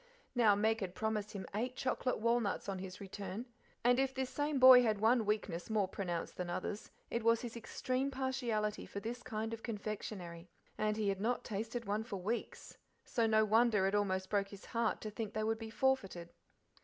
Now Meg had promised him eight chocolate walnuts on his return, and if this same boy had one weakness more pronounced than others, it was his extreme partiality for this kind of confectionery, and he had not tasted one for weeks, so no wonder it almost broke his heart to think they would be forfeited.